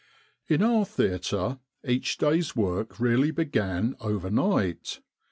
" In our theatre each day's work really began overnight.